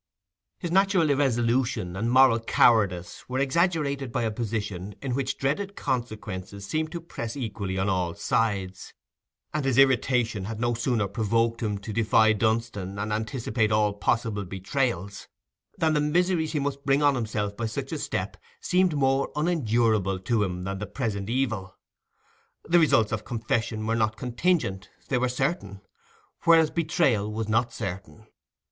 His natural irresolution and moral cowardice were exaggerated by a position in which dreaded consequences seemed to press equally on all sides, and his irritation had no sooner provoked him to defy Dunstan and anticipate all possible betrayals, than the miseries he must bring on himself by such a step seemed more unendurable to him than the present evil. The results of confession were not contingent, they were certain; whereas betrayal was not certain.